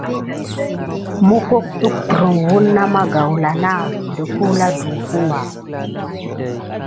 Ərga aka əŋslah magaoula las na don wula duko.